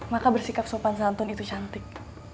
maka bersikap sopan santun itu cantik